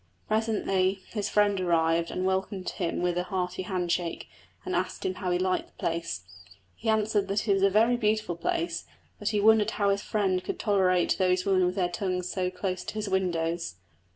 Presently his friend arrived and welcomed him with a hearty hand shake and asked him how he liked the place. He answered that it was a very beautiful place, but he wondered how his friend could tolerate those women with their tongues so close to his windows.